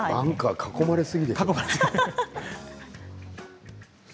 囲まれすぎ。